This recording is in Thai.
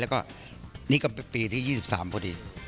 แล้วก็นี่ก็ปีที่๒๓พอดี